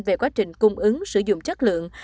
về quá trình cung ứng sử dụng chất lượng